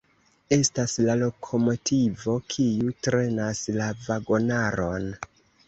Estas la lokomotivo, kiu trenas la vagonaron.